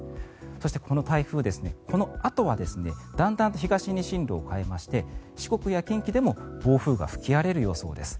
そしてこの台風、このあとはだんだん東に進路を変えまして四国や近畿でも暴風が吹き荒れる予想です。